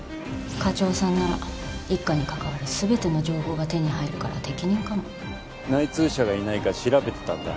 課長さんなら一課に関わる全ての情報が手に入るから適任かも内通者がいないか調べてたんだ